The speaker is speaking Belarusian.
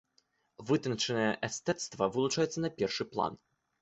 Вытанчанае эстэцтва вылучаецца на першы план.